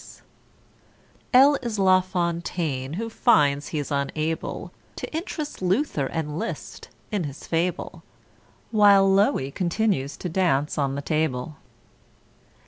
=L= is =L=afontaine, who finds he's unable To interest =L=uther and =L=iszt in his fable, While =L=oie continues to dance on the table.